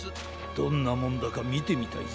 どんなもんだかみてみたいぜ。